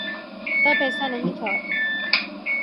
تب ایسا نہیں تھا۔